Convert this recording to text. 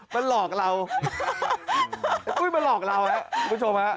มันหลอกเรามันหลอกเราคุณผู้ชมฮะ